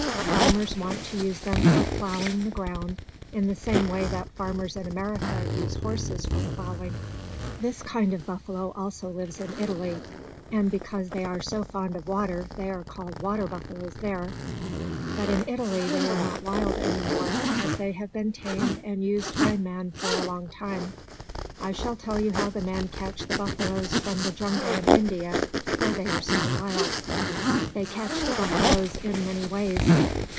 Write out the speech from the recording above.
Farmers want to use them for plowing the ground, in the same way that farmers in America use horses for plowing. This kind of buffalo also lives in Italy, and because they are so fond of water they are called water buffaloes there. But in Italy they are not wild any more, as they have been tamed and used by men for a long time. I shall tell you how the men catch the buffaloes from the jungle in India, where they are still wild. They catch the buffaloes in many ways.